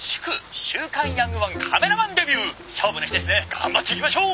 頑張っていきましょう！」。